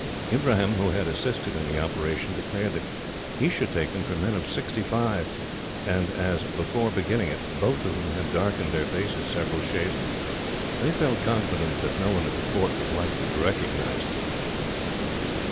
Ibrahim, who had assisted in the operation, declared that he should take them for men of sixty five, and as, before beginning it, both of them had darkened their faces several shades, they felt confident that no one at the fort was likely to recognise them.